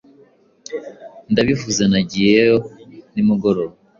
Ndabivuze Nagiye yo nimugoroba